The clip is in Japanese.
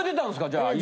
じゃあ。